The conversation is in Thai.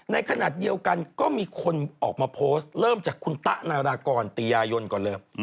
ในขณะเดียวกันก็มีคนออกมาโพสต์เริ่มจากคุณตะนารากรตียายนก่อนเลย